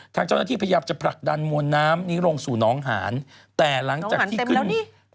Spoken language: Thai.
ทางเจ้าหน้าที่พยายามจะผลักดันมวลน้ำนี้ลงสู่หนองหานแต่หลังจากที่ขึ้นหนองหานเต็มแล้วนี่